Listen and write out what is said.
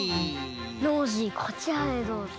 ノージーこちらへどうぞ。